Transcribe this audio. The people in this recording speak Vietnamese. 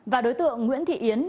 và đối tượng nguyễn thị yến